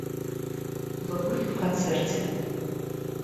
Вы были в концерте?